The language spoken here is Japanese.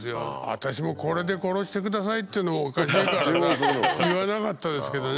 私も「これで殺してください」って言うのもおかしいからね言わなかったですけどね